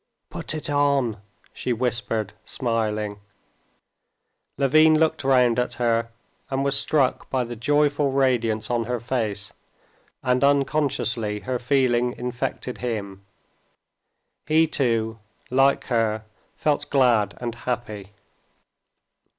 "Put it on!" she whispered, smiling. Levin looked round at her, and was struck by the joyful radiance on her face, and unconsciously her feeling infected him. He too, like her felt glad and happy.